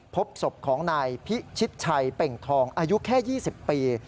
พบศพของนายพิชิตชัยเป่งทองอายุแค่๒๐ปี